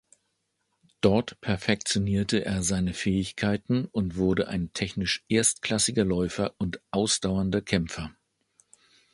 Dort perfektionierte er seine Fähigkeiten und wurde ein technisch erstklassiger Läufer und ausdauernder Kämpfer.